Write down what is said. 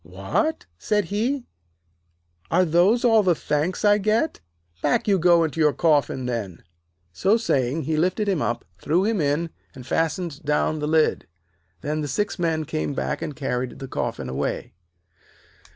'What!' said he, 'are those all the thanks I get? Back you go into your coffin then.' So saying, he lifted him up, threw him in, and fastened down the lid. Then the six men came back and carried the coffin away.